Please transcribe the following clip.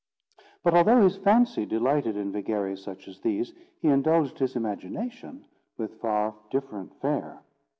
But although his fancy delighted in vagaries like these, he indulged his imagination with far different fare.